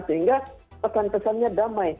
sehingga pesan pesannya damai